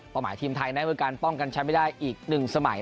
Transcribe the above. ประมาณทีมไทยได้เมื่อการป้องกันแชมป์ไม่ได้อีกหนึ่งสมัย